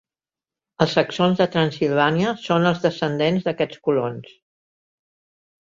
Els Saxons de Transsilvània són els descendents d'aquests colons.